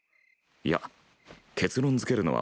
いや結論づけるのはまだ早い。